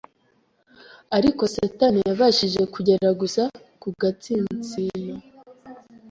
Ariko Satani yabashije kugera gusa ku gatsinsino,